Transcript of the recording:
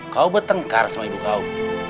kau bertengkar sama ibu kau